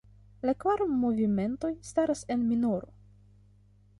La kvar movimentoj staras en minoro.